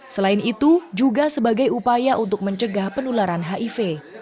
selain itu juga sebagai upaya untuk mencegah penularan hiv